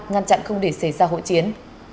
ngăn chặn không để xảy ra hội chiến